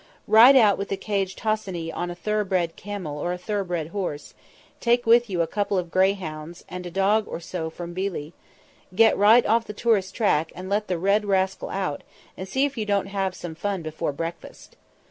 Ride out with the caged hosseny on a thoroughbred camel or thoroughbred horse, take with you a couple of greyhounds and a dog or so from Billi, get right off the tourist track and let the red rascal out, and see if you don't have some fun before breakfast.